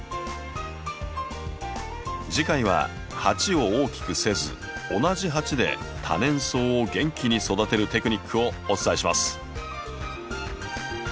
次回は鉢を大きくせず同じ鉢で多年草を元気に育てるテクニックをお伝えします。